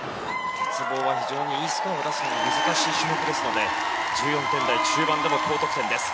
鉄棒は非常にＥスコアを出すのが難しい種目ですので１４点台中盤でも高得点です。